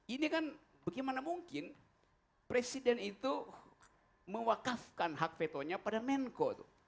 ini kan bagaimana mungkin presiden itu mewakafkan hak vetonya pada menko